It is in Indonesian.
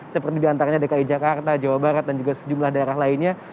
seperti diantaranya dki jakarta jawa barat dan juga sejumlah daerah lainnya